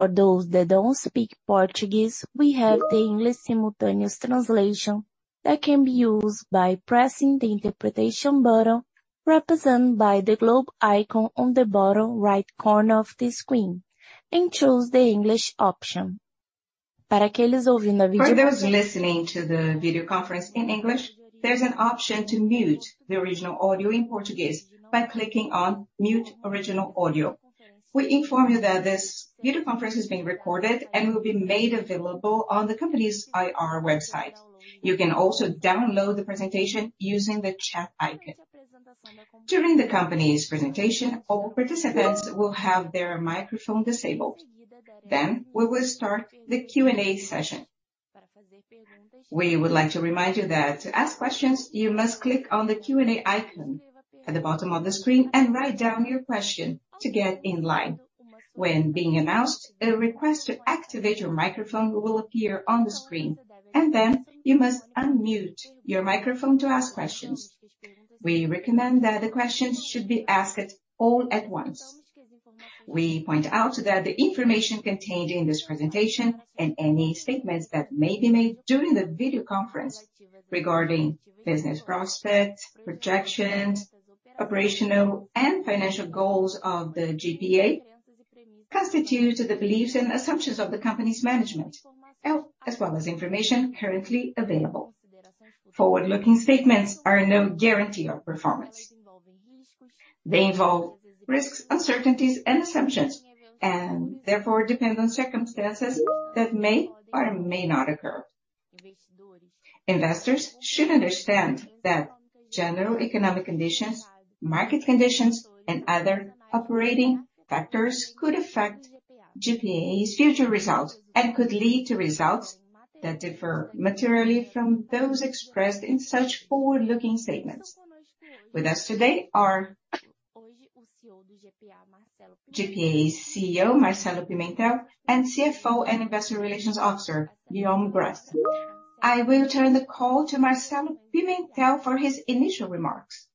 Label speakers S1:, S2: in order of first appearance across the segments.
S1: For those that don't speak Portuguese, we have the English simultaneous translation that can be used by pressing the interpretation button represented by the globe icon on the bottom right corner of the screen and choose the English option. For those listening to the video conference in English, there's an option to mute the original audio in Portuguese by clicking on Mute Original Audio. We inform you that this video conference is being recorded and will be made available on the company's IR website. You can also download the presentation using the chat icon. During the company's presentation, all participants will have their microphone disabled. We will start the Q&A session. We would like to remind you that to ask questions, you must click on the Q&A icon at the bottom of the screen and write down your question to get in line. When being announced, a request to activate your microphone will appear on the screen, and then you must unmute your microphone to ask questions. We recommend that the questions should be asked all at once. We point out that the information contained in this presentation and any statements that may be made during the video conference regarding business prospects, projections, operational and financial goals of the GPA constitute the beliefs and assumptions of the company's management, as well as information currently available. Forward-looking statements are no guarantee of performance. They involve risks, uncertainties and assumptions, and therefore depend on circumstances that may or may not occur. Investors should understand that general economic conditions, market conditions, and other operating factors could affect GPA's future results and could lead to results that differ materially from those expressed in such forward-looking statements. With us today are GPA CEO Marcelo Pimentel and CFO and Investor Relations Officer Guillaume Gras. I will turn the call to Marcelo Pimentel for his initial remarks.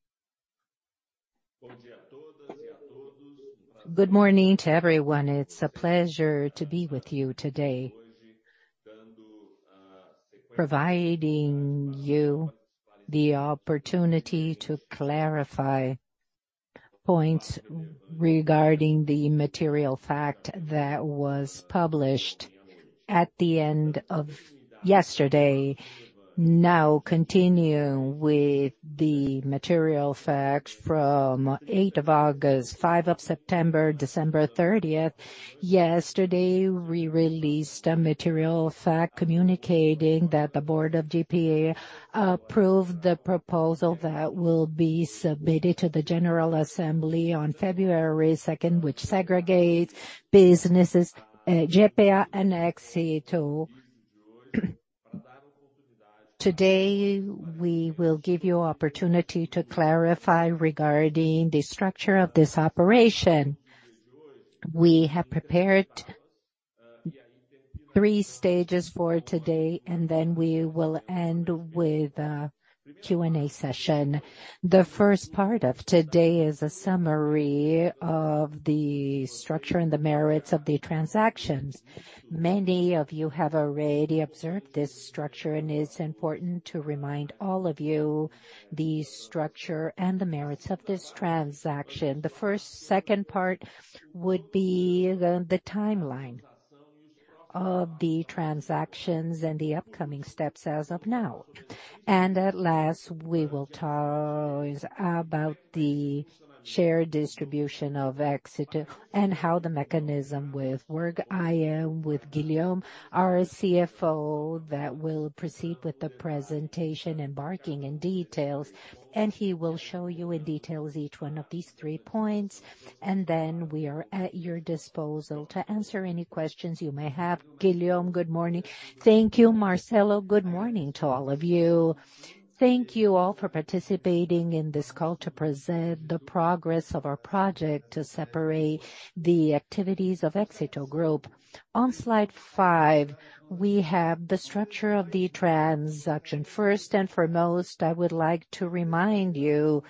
S2: Good morning to everyone. It's a pleasure to be with you today, providing you the opportunity to clarify points regarding the material fact that was published at the end of yesterday. Continuing with the material facts from 8th of August, 5th of September, December 30th. Yesterday, we released a material fact communicating that the board of GPA approved the proposal that will be submitted to the General Assembly on February 2nd, which segregates businesses, GPA and Éxito. Today, we will give you opportunity to clarify regarding the structure of this operation. We have prepared three stages for today. We will end with a Q&A session. The first part of today is a summary of the structure and the merits of the transactions. Many of you have already observed this structure. It's important to remind all of you the structure and the merits of this transaction. The second part would be the timeline of the transactions and the upcoming steps as of now. At last, we will talk about the share distribution of Éxito and how the mechanism will work. I am with Guillaume, our CFO, that will proceed with the presentation, embarking in details, and he will show you in details each one of these three points. Then we are at your disposal to answer any questions you may have. Guillaume, good morning.
S3: Thank you, Marcelo. Good morning to all of you. Thank you all for participating in this call to present the progress of our project to separate the activities of Grupo Éxito. On slide five, we have the structure of the transaction. First and foremost, I would like to remind you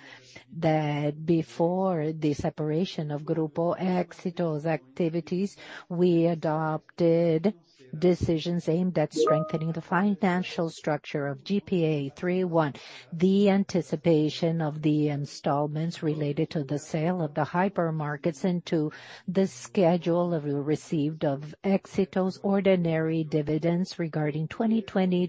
S3: that before the separation of Grupo Éxito's activities, we adopted decisions aimed at strengthening the financial structure of GPA three-one. The anticipation of the installments related to the sale of the hypermarkets into the schedule of received of Éxito's ordinary dividends regarding 2020,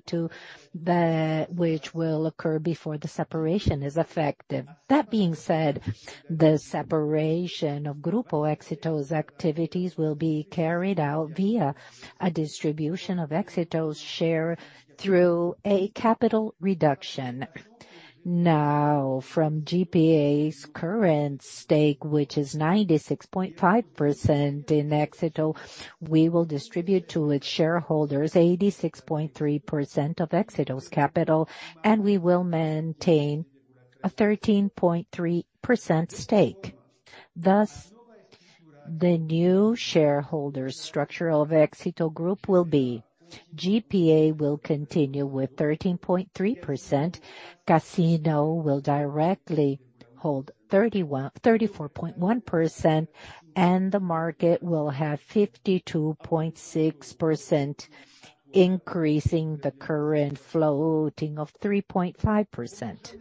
S3: which will occur before the separation is effective. That being said, the separation of Grupo Éxito's activities will be carried out via a distribution of Éxito's share through a capital reduction. Now, from GPA's current stake, which is 96.5% in Éxito, we will distribute to its shareholders 86.3% of Éxito's capital, and we will maintain a 13.3% stake. Thus, the new shareholder structure of Éxito Group will be: GPA will continue with 13.3%. Casino will directly hold 34.1%, and the market will have 52.6%, increasing the current floating of 3.5%.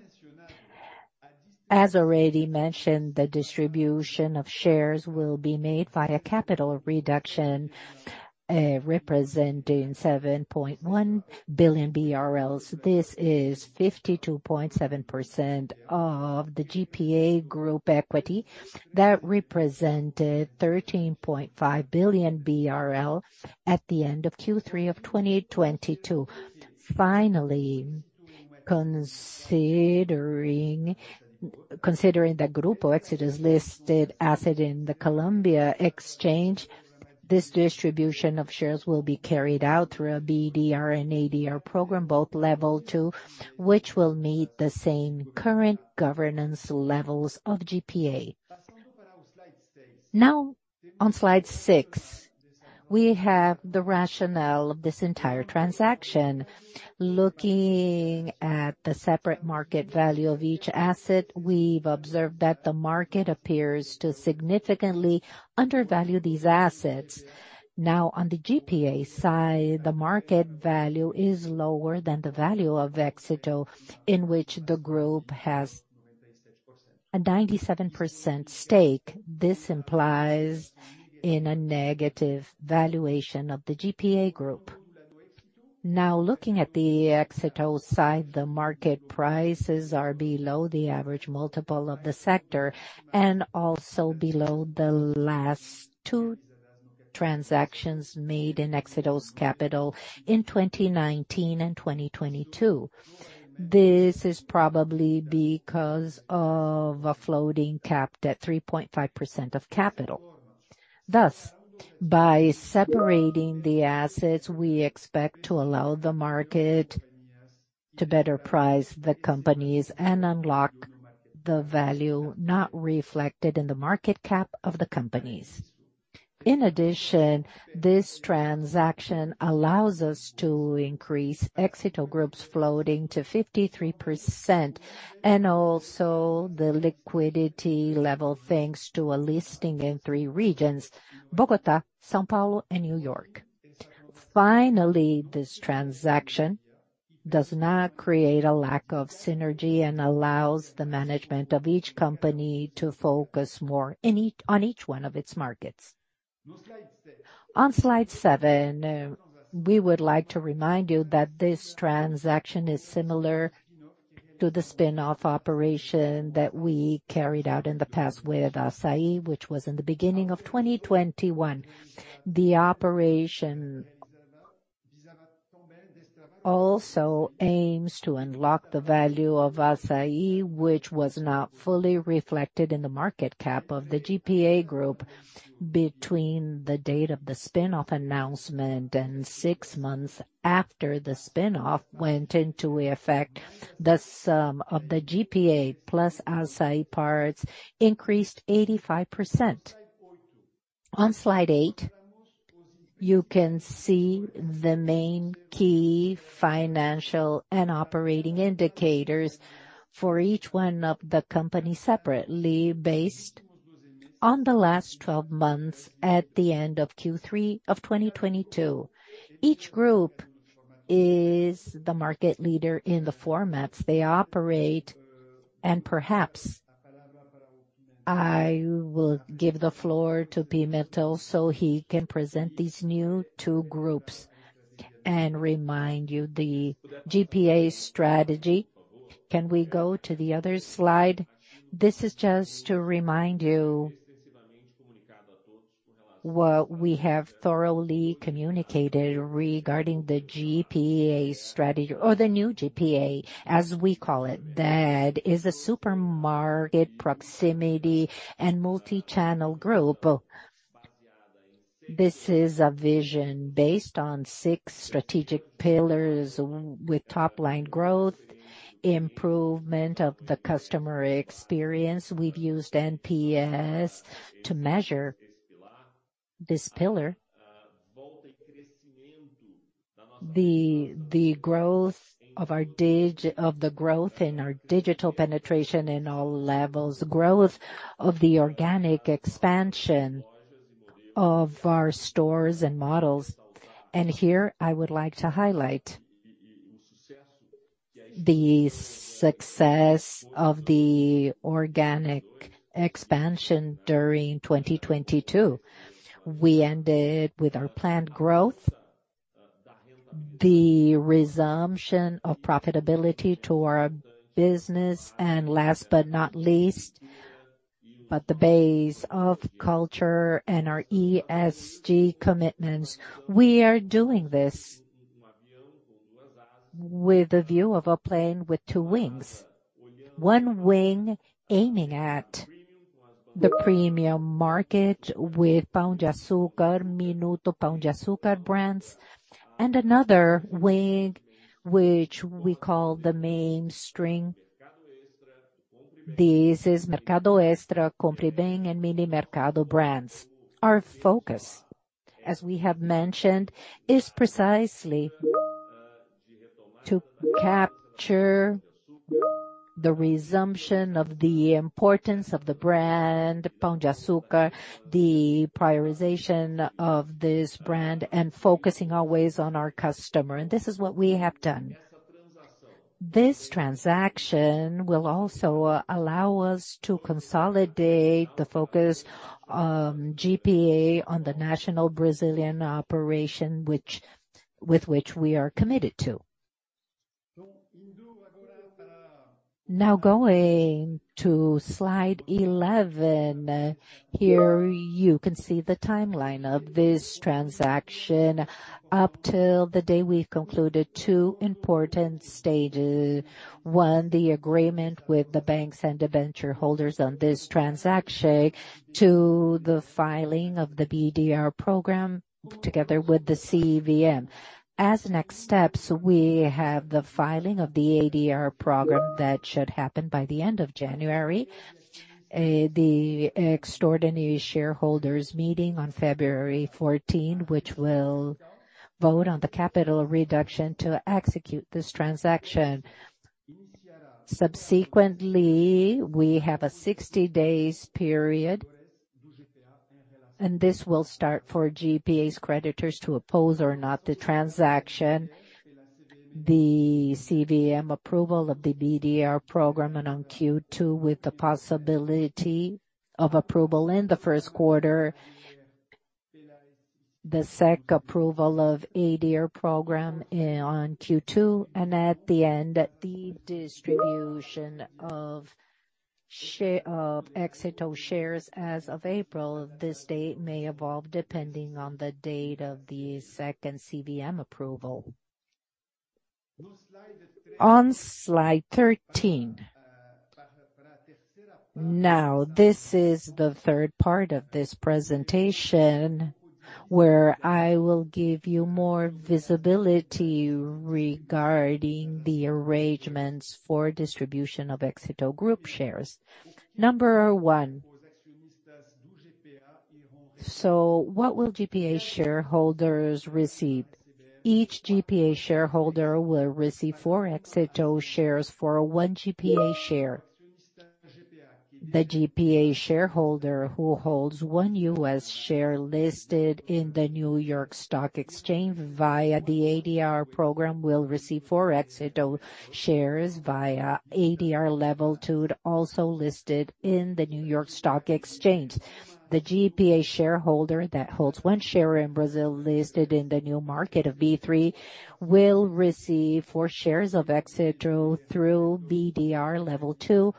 S3: As already mentioned, the distribution of shares will be made via capital reduction, representing BRL 7.1 billion. This is 52.7% of the GPA group equity that represented 13.5 billion BRL at the end of Q3 of 2022. Finally, considering that Grupo Éxito is listed asset in the Colombia exchange, this distribution of shares will be carried out through a BDR and ADR program, both level 2, which will meet the same current governance levels of GPA. On slide 6, we have the rationale of this entire transaction. Looking at the separate market value of each asset, we've observed that the market appears to significantly undervalue these assets. On the GPA side, the market value is lower than the value of Éxito, in which the group has a 97% stake. This implies in a negative valuation of the GPA group. Looking at the Éxito side, the market prices are below the average multiple of the sector and also below the last two transactions made in Éxito's capital in 2019 and 2022. This is probably because of a free float capped at 3.5% of capital. By separating the assets, we expect to allow the market to better price the companies and unlock the value not reflected in the market cap of the companies. This transaction allows us to increase Éxito group's floating to 53% and also the liquidity level, thanks to a listing in three regions Bogotá, São Paulo and New York. This transaction does not create a lack of synergy and allows the management of each company to focus more on each one of its markets. On slide 7, we would like to remind you that this transaction is similar to the spin-off operation that we carried out in the past with Assaí, which was in the beginning of 2021. The operation also aims to unlock the value of Assaí, which was not fully reflected in the market cap of the GPA between the date of the spin-off announcement and 6 months after the spin-off went into effect. The sum of the GPA plus Assaí parts increased 85%. On slide 8, you can see the main key financial and operating indicators for each one of the companies separately based on the last 12 months at the end of Q3 of 2022. Each group is the market leader in the formats they operate. Perhaps I will give the floor to Marcelo Pimentel so he can present these new two groups and remind you the GPA strategy.
S2: Can we go to the other slide? This is just to remind you what we have thoroughly communicated regarding the GPA strategy or the new GPA as we call it, that is a supermarket proximity and multi-channel group. This is a vision based on six strategic pillars with top line growth, improvement of the customer experience. We've used NPS to measure this pillar. The growth in our digital penetration in all levels. Growth of the organic expansion of our stores and models. Here I would like to highlight the success of the organic expansion during 2022. We ended with our planned growth, the resumption of profitability to our business, last but not least, the base of culture and our ESG commitments. We are doing this with a view of a plane with two wings, one wing aiming at the premium market with Pão de Açúcar, Minuto Pão de Açúcar brands, and another wing which we call the mainstream. This is Mercado Extra, Compre Bem and Mini Mercado brands. Our focus, as we have mentioned, is precisely to capture the resumption of the importance of the brand Pão de Açúcar, the prioritization of this brand, and focusing always on our customer. This is what we have done. This transaction will also allow us to consolidate the focus, GPA on the national Brazilian operation, with which we are committed to. Going to slide 11. Here you can see the timeline of this transaction. Up till the day we concluded 2 important stages. One, the agreement with the banks and debenture holders on this transaction to the filing of the BDR program together with the CVM. Next steps, we have the filing of the ADR program that should happen by the end of January. The extraordinary shareholders meeting on February 14, which will vote on the capital reduction to execute this transaction. Subsequently, we have a 60 days period, and this will start for GPA's creditors to oppose or not the transaction. The CVM approval of the BDR program and on Q2 with the possibility of approval in the first quarter. The SEC approval of ADR program on Q2 and at the end, the distribution of Éxito shares as of April. This date may evolve depending on the date of the second CVM approval. On slide 13. This is the third part of this presentation, where I will give you more visibility regarding the arrangements for distribution of Éxito Group shares. Number 1, what will GPA shareholders receive? Each GPA shareholder will receive 4 Éxito shares for 1 GPA share. The GPA shareholder who holds 1 U.S. share listed in the New York Stock Exchange via the ADR program will receive 4 Éxito shares via ADR level two, also listed in the New York Stock Exchange. The GPA shareholder that holds 1 share in Brazil, listed in the Novo Mercado of B3, will receive 4 shares of Éxito through BDR level two,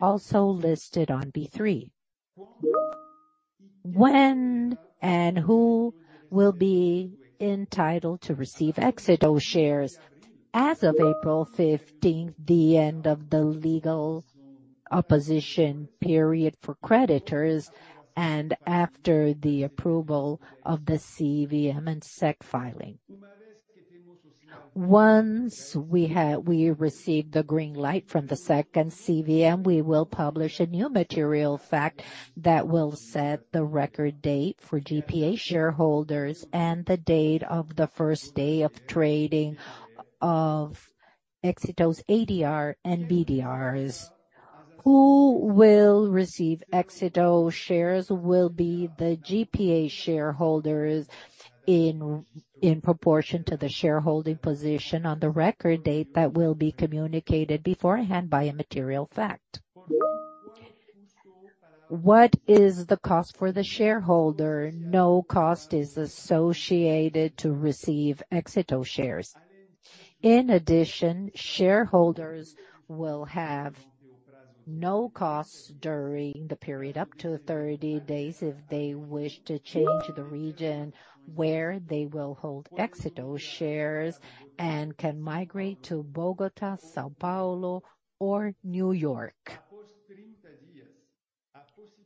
S2: also listed on B3. When and who will be entitled to receive Éxito shares? As of April 15th, the end of the legal opposition period for creditors and after the approval of the CVM and SEC filing. Once we receive the green light from the SEC and CVM, we will publish a new material fact that will set the record date for GPA shareholders and the date of the first day of trading of Éxito's ADR and BDRs. Who will receive Éxito shares will be the GPA shareholders in proportion to the shareholding position on the record date that will be communicated beforehand by a material fact. What is the cost for the shareholder? No cost is associated to receive Éxito shares. In addition, shareholders will have no costs during the period up to 30 days if they wish to change the region where they will hold Éxito shares and can migrate to Bogota, São Paulo or New York.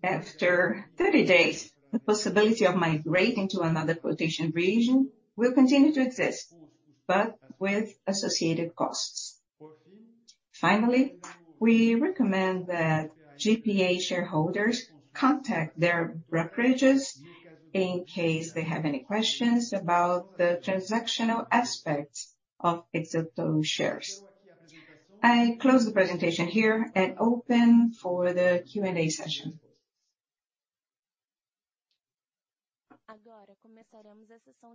S2: After 30 days, the possibility of migrating to another quotation region will continue to exist, but with associated costs. Finally, we recommend that GPA shareholders contact their brokerages in case they have any questions about the transactional aspects of Éxito shares. I close the presentation here and open for the Q&A session.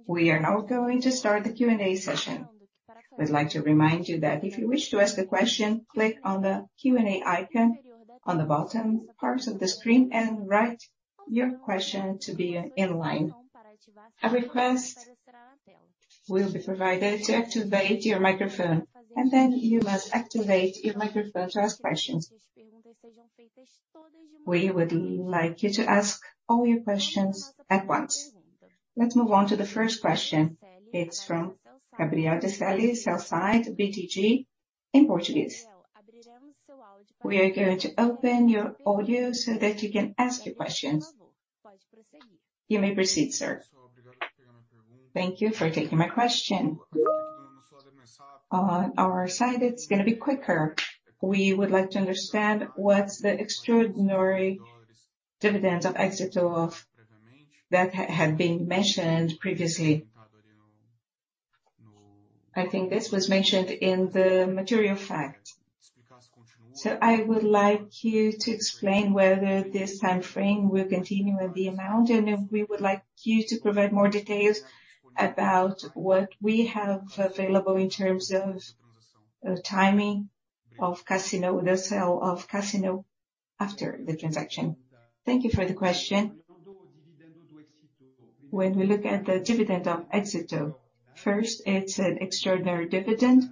S1: We are now going to start the Q&A session. I would like to remind you that if you wish to ask a question, click on the Q&A icon on the bottom part of the screen and write your question to be in line. A request will be provided to activate your microphone, and then you must activate your microphone to ask questions. We would like you to ask all your questions at once. Let's move on to the first question. It's from Gabriela Eiras Dech, Sell-Side, BTG, in Portuguese. We are going to open your audio so that you can ask your questions. You may proceed, sir.
S4: Thank you for taking my question. On our side, it's gonna be quicker. We would like to understand what's the extraordinary dividends of Éxito of that had been mentioned previously. I think this was mentioned in the material fact. I would like you to explain whether this time frame will continue and the amount, and if we would like you to provide more details about what we have available in terms of timing of Casino, the sale of Casino after the transaction.
S3: Thank you for the question. When we look at the dividend of Éxito, first, it's an extraordinary dividend.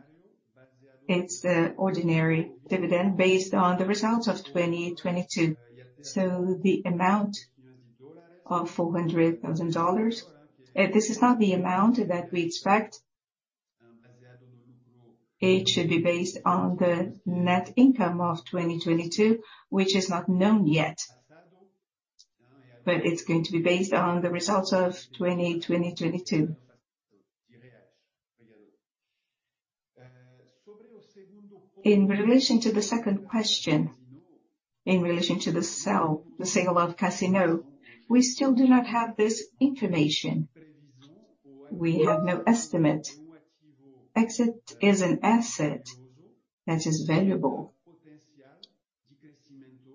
S3: It's the ordinary dividend based on the results of 2022. The amount of $400,000, this is not the amount that we expect. It should be based on the net income of 2022, which is not known yet. It's going to be based on the results of 2022.In relation to the second question, in relation to the sale of Casino, we still do not have this information. We have no estimate. Éxito is an asset that is valuable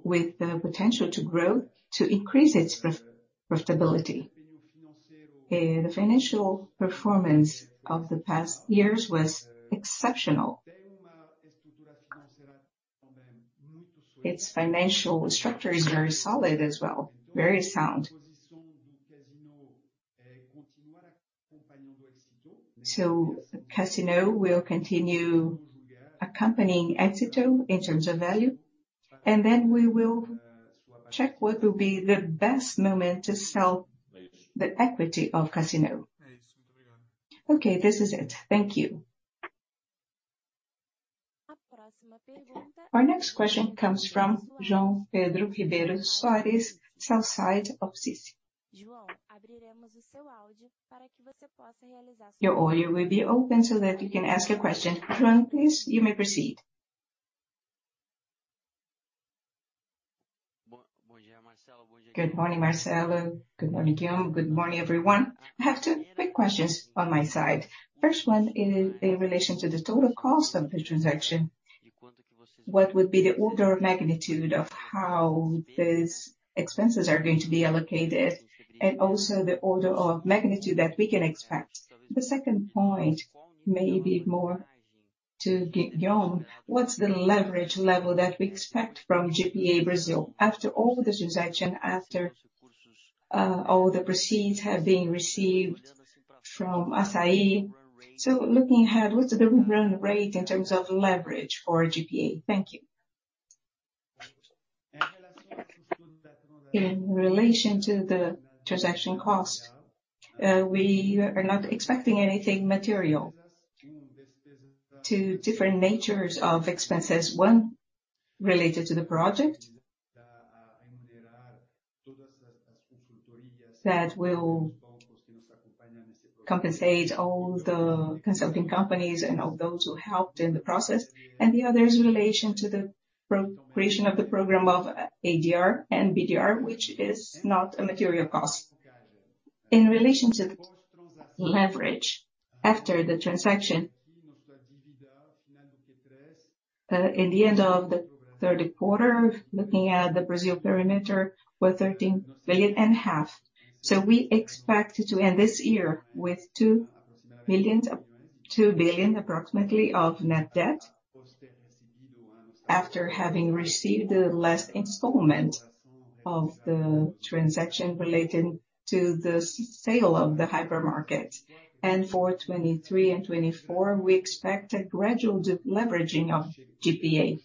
S3: with the potential to grow, to increase its profitability. The financial performance of the past years was exceptional. Its financial structure is very solid as well, very sound. Casino will continue accompanying Éxito in terms of value, we will check what will be the best moment to sell the equity of Casino.
S4: Okay, this is it. Thank you.
S1: Our next question comes from João Pedro Soares, Sell-Side of Citi. Your audio will be open so that you can ask your question. João, please, you may proceed.
S5: Good morning, Marcelo. Good morning, Guillaume. Good morning, everyone. I have two quick questions on my side. First one is in relation to the total cost of the transaction. What would be the order of magnitude of how these expenses are going to be allocated, and also the order of magnitude that we can expect? The second point may be more to Guillaume. What's the leverage level that we expect from GPA Brazil after all the transaction, after all the proceeds have been received from Assaí. Looking ahead, what's the run rate in terms of leverage for GPA? Thank you.
S3: In relation to the transaction cost, we are not expecting anything material. Two different natures of expenses. One related to the project that will compensate all the consulting companies and all those who helped in the process, and the other is in relation to the pro-creation of the program of ADR and BDR, which is not a material cost. In relation to the leverage after the transaction, in the end of the third quarter, looking at the Brazil perimeter, were 13 billion and a half. We expect to end this year with 2 billion approximately of net debt after having received the last installment of the transaction related to the sale of the hypermarket. For 2023 and 2024, we expect a gradual de-leveraging of GPA.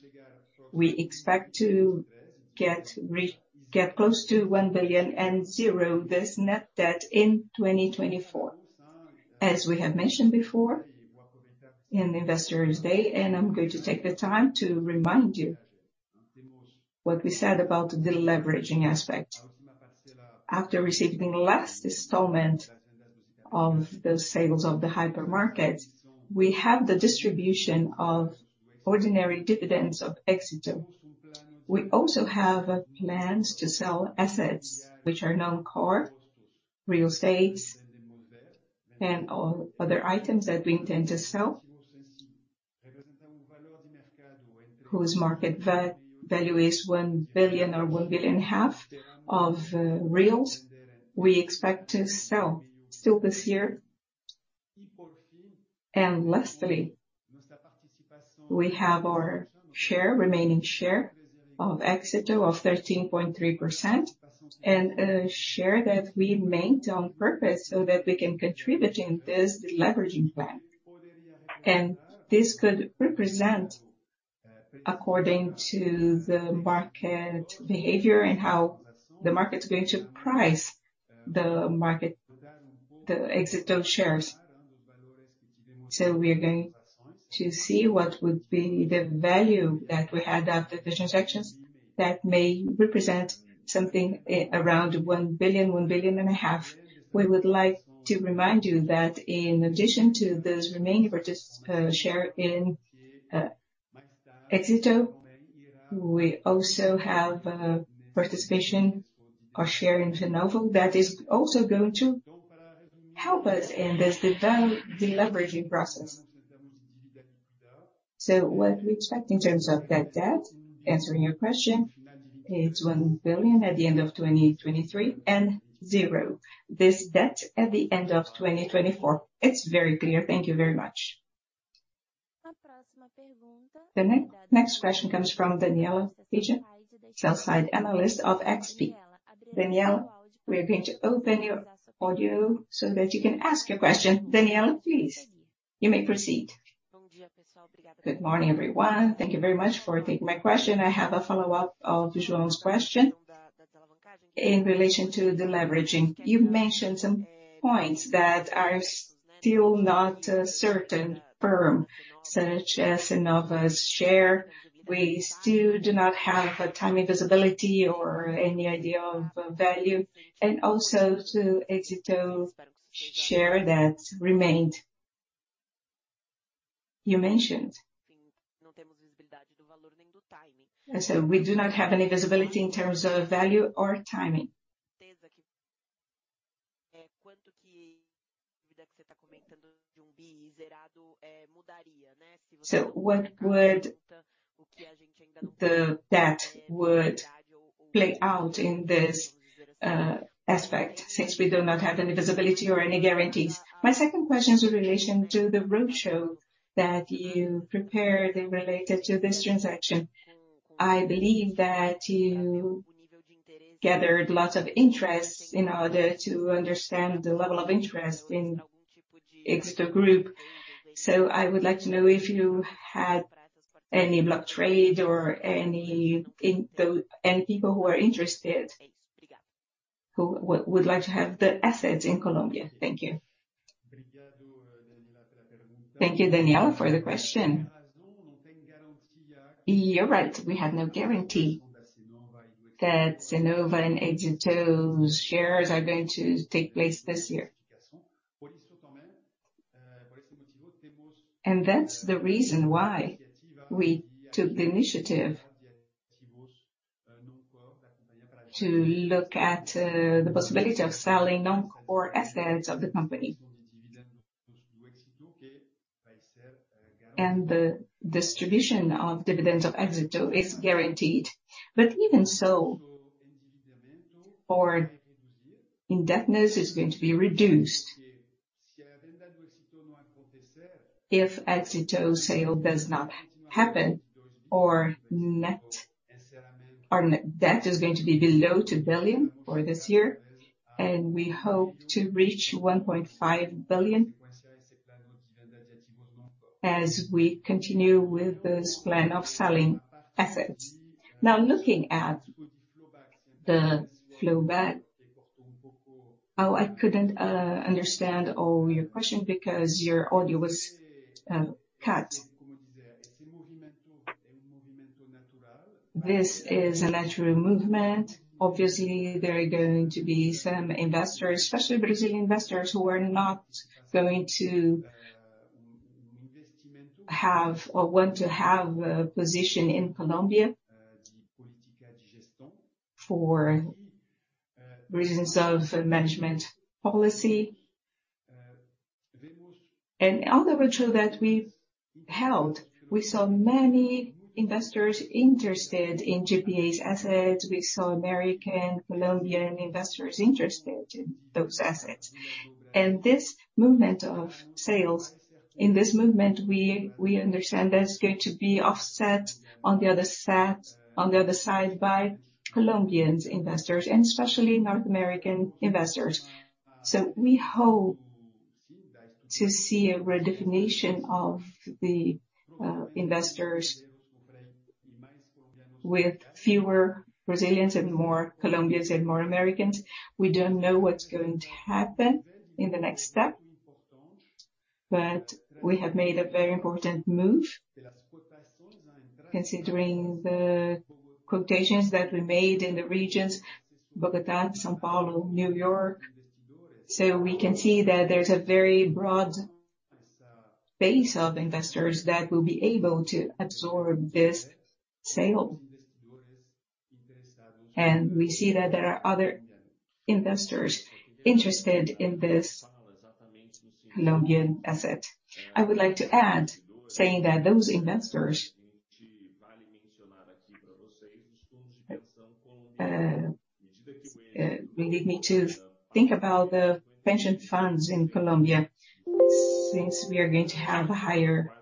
S3: We expect to get close to 1 billion and zero this net debt in 2024. As we have mentioned before in Investor Day, and I'm going to take the time to remind you what we said about the leveraging aspect. After receiving last installment of the sales of the hypermarket, we have the distribution of ordinary dividends of Éxito. We also have plans to sell assets which are non-core, real estates, and all other items that we intend to sell, whose market value is 1 billion or 1 billion half. We expect to sell still this year. Lastly, we have our share, remaining share of Éxito of 13.3% and a share that we maintained on purpose so that we can contribute in this deleveraging plan. This could represent, according to the market behavior and how the market is going to price the market, the Éxito shares. We are going to see what would be the value that we had after the transactions that may represent something around 1 billion, 1.5 billion. We would like to remind you that in addition to those remaining share in Éxito. We also have participation or share in Cnova that is also going to help us in this deleveraging process. What we expect in terms of that debt, answering your question, it's 1 billion at the end of 2023 and 0 this debt at the end of 2024.
S5: It's very clear. Thank you very much.
S1: The next question comes from Danniela Eiger, Sell-Side analyst of XP. Daniela, we are going to open your audio so that you can ask your question. Daniela, please. You may proceed.
S6: Good morning, everyone. Thank you very much for taking my question. I have a follow-up of João's question. In relation to deleveraging, you've mentioned some points that are still not certain firm, such as Cnova's share. We still do not have a timing visibility or any idea of value, and also to Éxito share that remained. You mentioned. We do not have any visibility in terms of value or timing. What would the debt play out in this aspect, since we do not have any visibility or any guarantees? My second question is in relation to the roadshow that you prepared and related to this transaction. I believe that you gathered lots of interest in order to understand the level of interest in XP. I would like to know if you had any block trade or any people who are interested who would like to have the assets in Colombia. Thank you.
S3: Thank you, Daniela, for the question. You're right, we have no guarantee that Cnova and Éxito's shares are going to take place this year. That's the reason why we took the initiative to look at the possibility of selling non-core assets of the company. The distribution of dividends of Éxito is guaranteed. Even so, our indebtedness is going to be reduced. If Éxito sale does not happen, our net debt is going to be below 2 billion for this year, and we hope to reach 1.5 billion as we continue with this plan of selling assets. Looking at the flow back. Oh, I couldn't understand all your question because your audio was cut. This is a natural movement. Obviously, there are going to be some investors, especially Brazilian investors, who are not going to have or want to have a position in Colombia for reasons of management policy. On the virtual that we've held, we saw many investors interested in GPA's assets. We saw American, Colombian investors interested in those assets. This movement of sales, in this movement, we understand that it's going to be offset on the other side by Colombians investors and especially North American investors. We hope to see a redefinition of the investors with fewer Brazilians and more Colombians and more Americans. We don't know what's going to happen in the next step. We have made a very important move considering the quotations that we made in the regions Bogotá, São Paulo, New York. We can see that there's a very broad base of investors that will be able to absorb this sale. We see that there are other investors interested in this Colombian asset. I would like to add, saying that those investors, we need me to think about the pension funds in Colombia since we are going to have a higher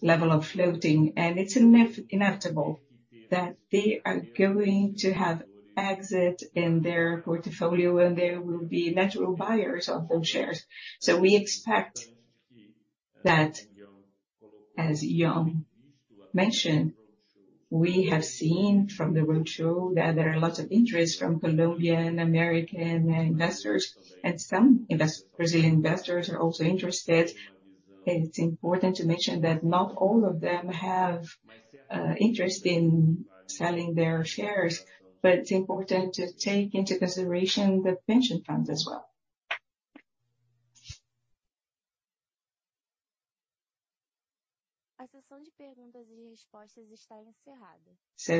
S3: level of floating, and it's inevitable that they are going to have exit in their portfolio, and there will be natural buyers of those shares. We expect that, as João mentioned, we have seen from the roadshow that there are lots of interest from Colombian, American investors and some Brazilian investors are also interested. It's important to mention that not all of them have interest in selling their shares, but it's important to take into consideration the pension funds as well.
S1: A session of perguntas e respostas está encerrada.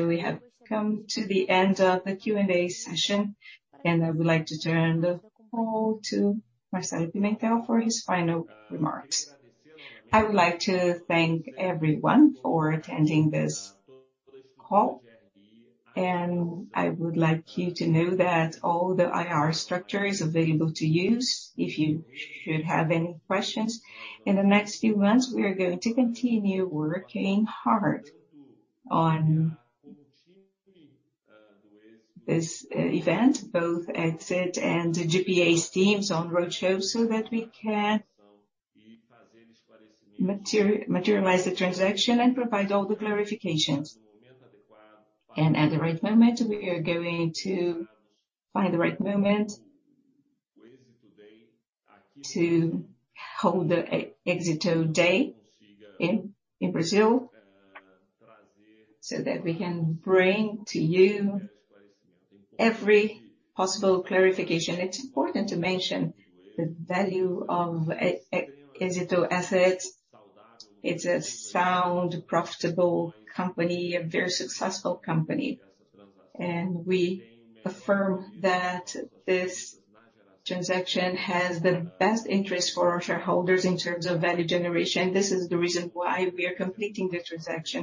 S1: We have come to the end of the Q&A session, and I would like to turn the call to Marcelo Pimentel for his final remarks.
S2: I would like to thank everyone for attending this call, and I would like you to know that all the IR structure is available to use if you should have any questions. In the next few months, we are going to continue working hard on this event, both Éxito and the GPA's teams on roadshow, so that we can materialize the transaction and provide all the clarifications. At the right moment, we are going to find the right moment to hold the Éxito Day in Brazil, so that we can bring to you every possible clarification. It's important to mention the value of Éxito assets. It's a sound, profitable company, a very successful company. We affirm that this transaction has the best interest for our shareholders in terms of value generation. This is the reason why we are completing the transaction.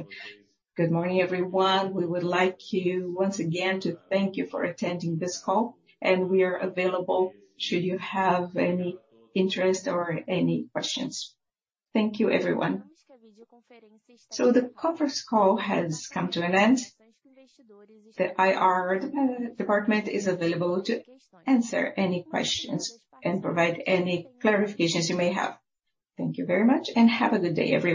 S2: Good morning, everyone.
S3: We would like you once again to thank you for attending this call, and we are available should you have any interest or any questions. Thank you, everyone.
S1: The conference call has come to an end. The IR department is available to answer any questions and provide any clarifications you may have. Thank you very much and have a good day, everyone.